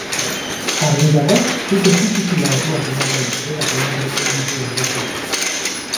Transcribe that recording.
Argi dago zuk ez dituzula orduak ematen berak ematen ei dituen gauzetan.